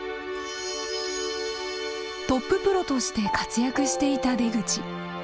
トッププロとして活躍していた出口。